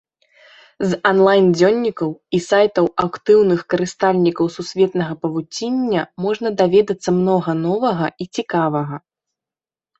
З анлайн-дзённікаў і сайтаў актыўных карыстальнікаў сусветнага павуціння можна даведацца многа новага і цікавага.